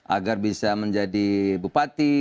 agar bisa menjadi bupati